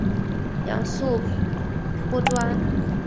杨素颇专。